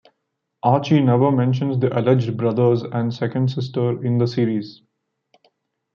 Archie never mentions the alleged brothers and second sister in the series.